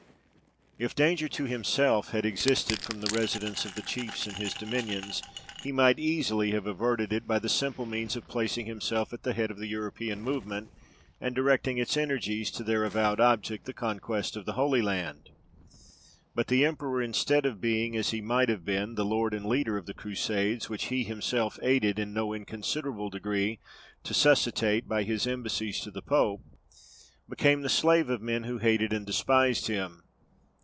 If danger to himself had existed from the residence of the chiefs in his dominions, he might easily have averted it, by the simple means of placing himself at the head of the European movement, and directing its energies to their avowed object, the conquest of the Holy Land. But the emperor, instead of being, as he might have been, the lord and leader of the Crusades, which he had himself aided in no inconsiderable degree to suscitate by his embassies to the Pope, became the slave of men who hated and despised him.